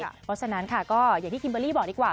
เพราะฉะนั้นค่ะก็อย่างที่คิมเบอร์รี่บอกดีกว่า